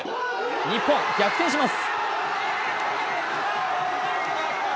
日本、逆転します。